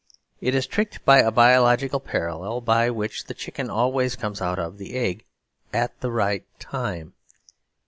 It is tricked by a biological parallel, by which the chicken always comes out of the egg "at the right time."